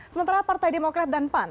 sementara partai demokrat dan pan